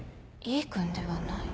井伊君ではない？